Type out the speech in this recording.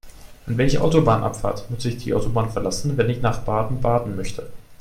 An welcher Autobahnabfahrt muss ich die Autobahn verlassen, wenn ich nach Baden-Baden möchte?